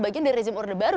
bagian dari rezim order baru